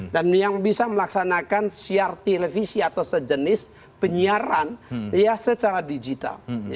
dan yang bisa melaksanakan siar televisi atau sejenis penyiaran secara digital